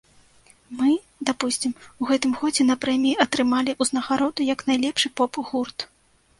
Мы, дапусцім, у гэтым годзе на прэміі атрымалі ўзнагароду як найлепшы поп-гурт.